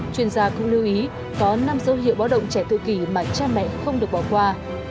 chuyên gia cũng lưu ý có năm dấu hiệu báo động trẻ tự kỷ mà cha mẹ không được bỏ qua